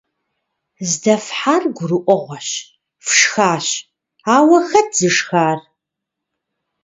Здэфхьар гурыӀуэгъуэщ – фшхащ, ауэ хэт зышхар?